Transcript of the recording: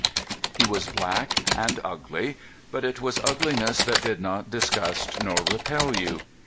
HE was black and ugly, but it was ugliness that did not disgust nor repel you.